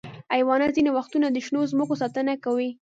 حیوانات ځینې وختونه د شنو ځمکو ساتنه کوي.